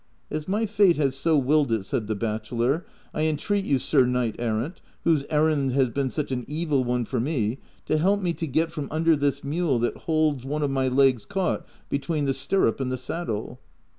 ''" As my fate has so willed it," said the bachelor, " I entreat you, sir knight errant, whose errand has been such an evil one for me, to help me to get from under this mule that holds one of my legs caught between the stirrup and the saddle."